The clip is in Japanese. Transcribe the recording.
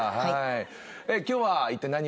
はい。